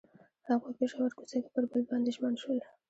هغوی په ژور کوڅه کې پر بل باندې ژمن شول.